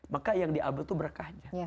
maka yang diambil itu berkahnya